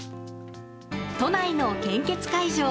都内の献血会場。